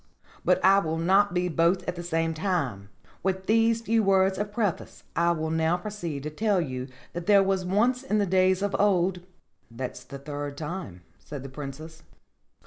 But I will not be both at the same time. With these few words of preface I will now proceed to tell you that there was once in the days of old " "That's the third time," said the Princess.